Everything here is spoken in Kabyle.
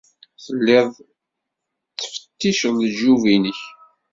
Telliḍ tettfetticeḍ lejyub-nnek.